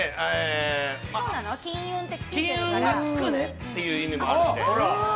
金運がつくねという意味もあるので。